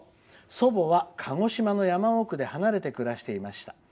祖母は鹿児島の山奥で離れて暮らしていました。